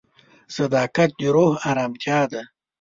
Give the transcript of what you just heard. صداقت د روح ارامتیا ده.